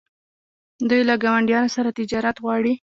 دوی له ګاونډیانو سره تجارت غواړي.